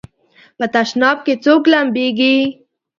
په تشناب کې څوک لمبېږي؟